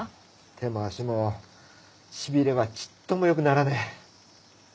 手も足も痺れはちっとも良くならねえ。